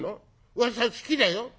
「わしゃ好きだよ」。